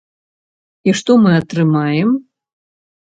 І што мы атрымаем?